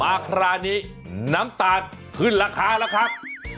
คราวนี้น้ำตาลขึ้นราคาแล้วครับ